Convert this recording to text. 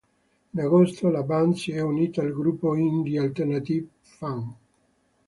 In agosto, la band si è unita al gruppo indie-alternative "fun.